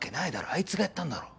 あいつがやったんだろ。